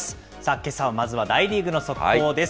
けさはまずは大リーグの速報です。